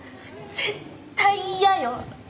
絶対嫌よ！